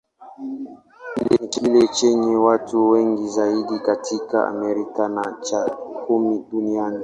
Ni kile chenye watu wengi zaidi katika Amerika, na cha kumi duniani.